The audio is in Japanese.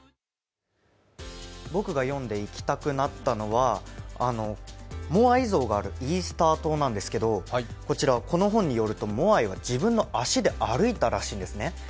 僕が読んで行きたくなったのはモアイ像があるイースター島なんですけど、この本によると、モアイは自分の足で歩いたらしいんですね。